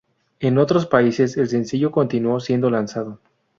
En otros países el sencillo continuó siendo lanzado.